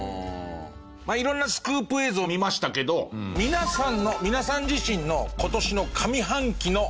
色んなスクープ映像見ましたけど皆さんの皆さん自身の今年の上半期の大きなニュース。